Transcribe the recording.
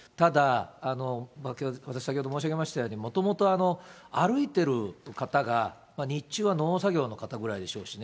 ただ私先ほど申し上げましたように、もともと歩いてる方が、日中は農作業の方ぐらいでしょうしね。